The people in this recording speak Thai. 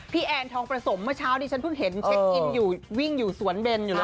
แอนทองประสมเมื่อเช้านี้ฉันเพิ่งเห็นเช็คอินอยู่วิ่งอยู่สวนเบนอยู่เลย